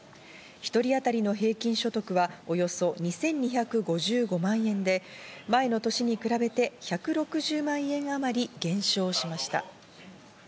１人当たりの平均所得はおよそ２２５５万円で前の年に比べて１６０万円あまり減少しました。